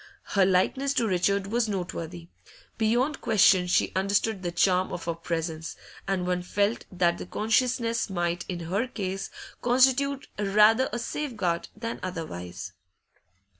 Her likeness to Richard was noteworthy; beyond question she understood the charm of her presence, and one felt that the consciousness might, in her case, constitute rather a safeguard than otherwise.